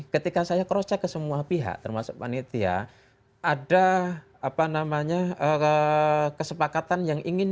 ketika saya cross check ke semua pihak termasuk panitia ada apa namanya kesepakatan yang ingin